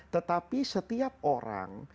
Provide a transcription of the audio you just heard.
tetapi setiap orang